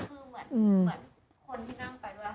คนที่นั่งไปดูแล้วคือเขาเมา